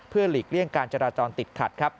เพื่อหลีกเลี่ยงการจราจรติดขัด